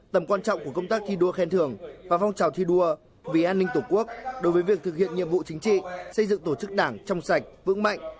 tầm quan trọng của công tác thi đua khen thường và phong trào thi đua vì an ninh tổ quốc đối với việc thực hiện nhiệm vụ chính trị xây dựng tổ chức đảng trong sạch vững mạnh